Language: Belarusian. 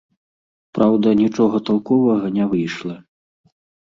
Праўда, нічога талковага не выйшла.